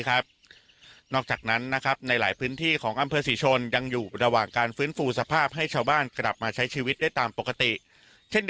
ไม่มีแล้วในหลายพื้นที่ของสหรัฐสี่ชนฯ